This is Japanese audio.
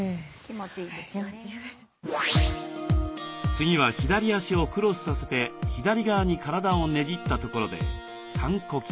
次は左足をクロスさせて左側に体をねじったところで３呼吸。